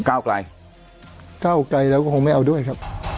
ก้าวไกลเก้าไกลเราก็คงไม่เอาด้วยครับ